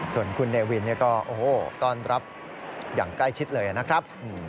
ส่วนคุณเนวินก็โอ้โหต้อนรับอย่างใกล้ชิดเลยนะครับ